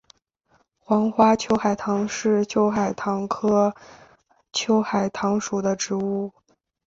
黄花秋海棠是秋海棠科秋海棠属的植物。